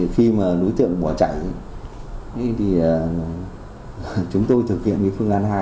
khi đối tượng bỏ chạy thì chúng tôi thực hiện phương án hai